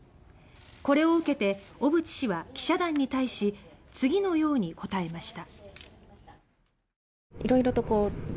これを受けて小渕氏は記者団に対し次のように答えました。